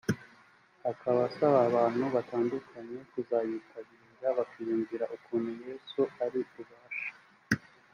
akaba asaba abantu batandukanye kuzayitabira bakiyumvira ukuntu Yesu ari Rubasha